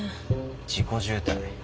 事故渋滞。